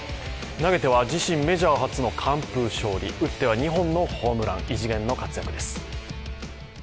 投げては自身メジャー初の完封勝利打っては２本のホームラン、異次元の活躍です。